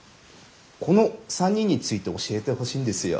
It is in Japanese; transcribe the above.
この３人について教えてほしいんですよ。